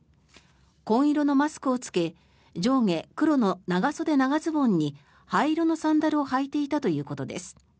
紺色のマスクを着け上下黒の長袖長ズボンに灰色のサンダルを履いていたということです。